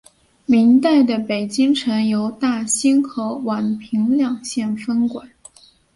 明代的北京城由大兴和宛平两县分管。